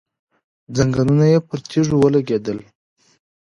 ځنګنونه يې پر تيږو ولګېدل.